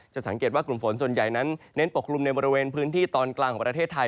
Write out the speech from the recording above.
สังเกตว่ากลุ่มฝนส่วนใหญ่นั้นเน้นปกกลุ่มในบริเวณพื้นที่ตอนกลางของประเทศไทย